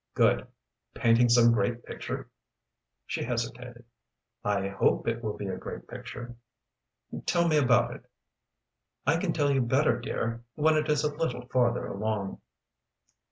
"Good! Painting some great picture?" She hesitated. "I hope it will be a great picture." "Tell me about it." "I can tell you better, dear, when it is a little farther along."